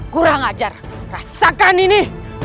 kurang ajar rasakan ini